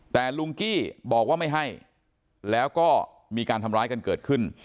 แต่ลุงกี้บอกว่าไม่ให้แล้วก็มีการทำร้ายกันเกิดขึ้น